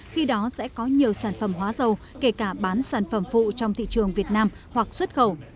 khi đó sẽ có nhiều sản phẩm hóa dầu kể cả bán sản phẩm phụ trong thị trường việt nam hoặc xuất khẩu